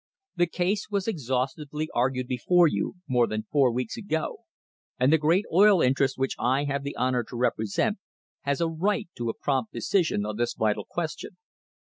The case was exhaustively argued before you, more than four weeks ago, and the great oil interest which I have the honour to represent has a right to a prompt decision on this vital question.